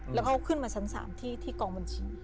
แล้วเขาขึ้นมาทาง๓ที่กองบนชิป